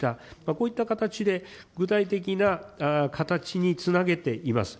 こういった形で、具体的な形につなげています。